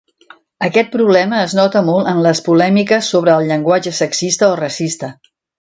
Aquest problema es nota molt en les polèmiques sobre el llenguatge sexista o racista.